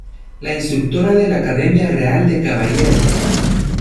La instructora de la Academia Real de Caballeros.